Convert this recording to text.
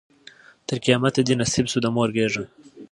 تر قیامته دي نصیب سوه د مور غیږه